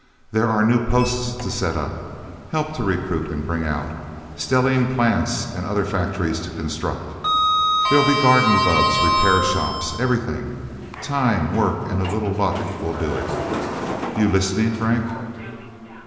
There are new posts to set up, help to recruit and bring out, stellene plants and other factories to construct. There'll be garden bubbs, repair shops everything. Time, work, and a little luck will do it. You listening, Frank?"